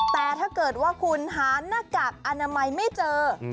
แต่ถ้าเกิดว่าคุณหาหน้ากากอนามัยไม่เจอ